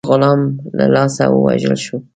د خپل غلام له لاسه ووژل شو.